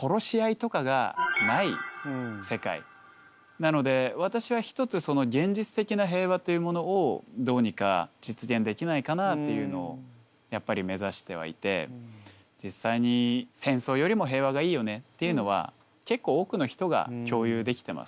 なので私は一つその現実的な平和というものをどうにか実現できないかなっていうのをやっぱり目指してはいて実際に戦争よりも平和がいいよねっていうのは結構多くの人が共有できてます。